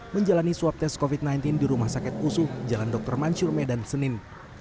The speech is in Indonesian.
menjalani swab tes covid sembilan belas di rumah sakit usuh jalan dr mansur medan senin